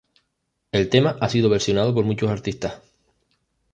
El tema ha sido versionado por muchos artistas.